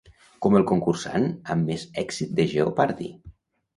Com el concursant amb més èxit de Jeopardy!